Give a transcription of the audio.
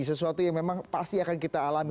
sesuatu yang memang pasti akan kita alami